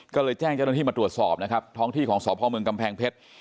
ก็เลยแจ้งเจ้าหน้าที่มาตรวจสอบนะครับท้องที่ของสพเมืองกำแพงเพชร